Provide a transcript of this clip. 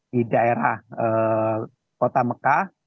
di daerah kota mekah